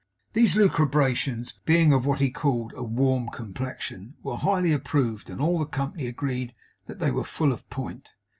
These lucubrations being of what he called 'a warm complexion,' were highly approved; and all the company agreed that they were full of point.